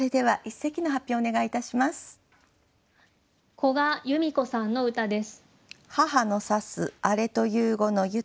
古閑弓子さんの歌です。